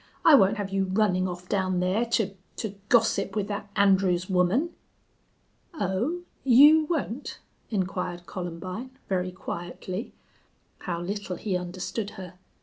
"I won't have you running off down there to to gossip with that Andrews woman." "Oh, you won't?" inquired Columbine, very quietly. How little he understood her!